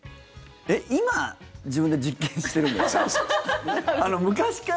えっ、今自分で実験してるんですか？